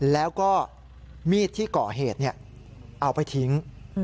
แล้วก็มีดที่ก่อเหตุเอาไปทิ้ง